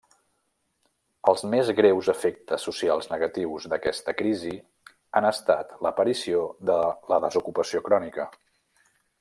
Els més greus efectes socials negatius d'aquesta crisi han estat l'aparició de la desocupació crònica.